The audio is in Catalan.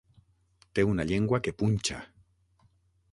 Té una llengua que punxa.